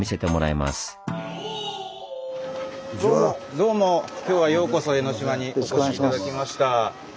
どうも今日はようこそ江の島にお越し頂きました。